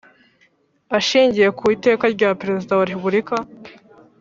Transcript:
Ashingiye ku Iteka rya Perezida wa Repubulika